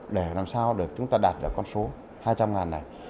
để làm sao để chúng ta đạt được con số hai trăm linh ngàn này